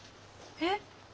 えっ？